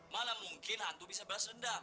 mana mungkin hantu bisa beres dendam